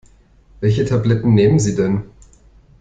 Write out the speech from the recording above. Welche Tabletten nehmen Sie denn?